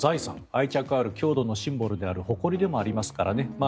愛着ある郷土のシンボルである誇りでもありますからね。